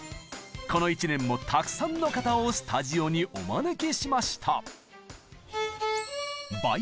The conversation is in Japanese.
この１年もたくさんの方をスタジオにお招きしました。